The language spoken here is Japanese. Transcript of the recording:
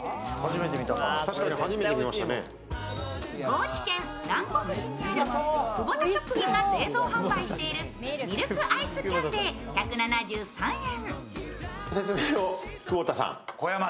高知県南国市にある久保田食品が製造販売しているミルクアイスキャンデー、１７３円。